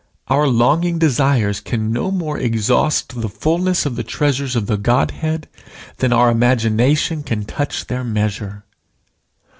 Our longing desires can no more exhaust the fulness of the treasures of the Godhead, than our imagination can touch their measure.